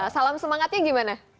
salam semangatnya gimana